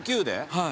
はい。